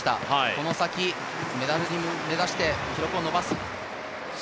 この先、メダルを目指して記録を伸ばしてほしいです。